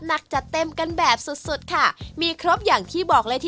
เปิด๑๑โมงถึง๔ทุ่มครับผม